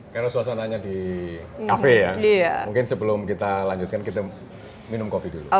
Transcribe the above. karena suasananya di cafe ya mungkin sebelum kita lanjutkan kita minum kopi dulu